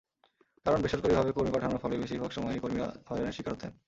কারণ, বেসরকারিভাবে কর্মী পাঠানোর ফলে বেশির ভাগ সময়ই কর্মীরা হয়রানির শিকার হতেন।